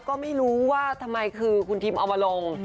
ก็ไม่รู้ว่าทำไมคือคุณทิมเอามาลง